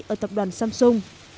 ở tập đoàn samsung